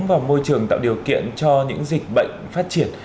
và môi trường tạo điều kiện cho những dịch bệnh phát triển